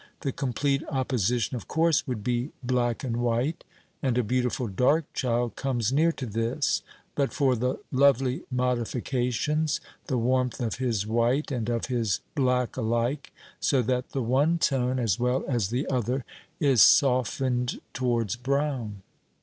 The complete opposition, of course, would be black and white; and a beautiful dark child comes near to this, but for the lovely modifications, the warmth of his white, and of his black alike, so that the one tone, as well as the other, is softened towards brown.